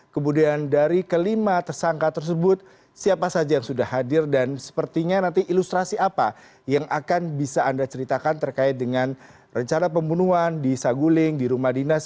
kemudian dari kelima tersangka tersebut siapa saja yang sudah hadir dan sepertinya nanti ilustrasi apa yang akan bisa anda ceritakan terkait dengan rencana pembunuhan di saguling di rumah dinas